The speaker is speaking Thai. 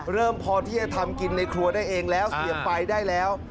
เริ่มพอที่จะทำกินในครัวได้เองแล้วเสียบไฟได้แล้ว